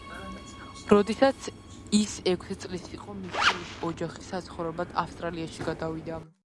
როდესაც ის ექვსი წლის იყო, მისი ოჯახი საცხოვრებლად ავსტრალიაში გადავიდა.